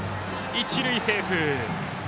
一塁セーフ。